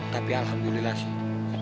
tapi alhamdulillah sih